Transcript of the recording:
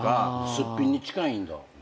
すっぴんに近いんだ。